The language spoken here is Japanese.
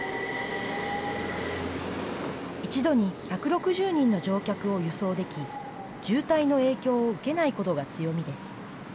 一度に１６０人の乗客を輸送でき、渋滞の影響を受けないことが強みです。